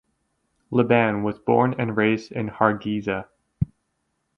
Liban was born and raised in Hargeisa.